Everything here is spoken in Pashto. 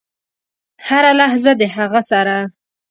هره لحظه د هغه سره .